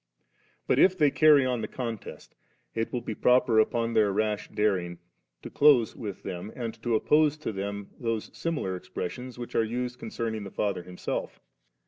But if they carry on the contest, it will be proper upon their rash daring to close with them, and to oppose to them those similar expressions which are used concerning the Father Himself.